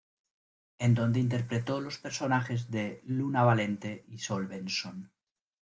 En donde interpretó los personajes de Luna Valente y Sol Benson.